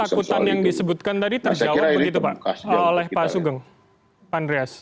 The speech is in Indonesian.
ketakutan yang disebutkan tadi terjawab begitu pak oleh pak sugeng pak andreas